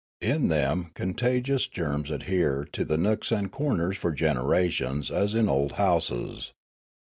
In them contagious germs adhere to the nooks and corners for generations as in old houses.